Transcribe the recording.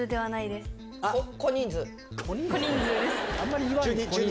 小人数です。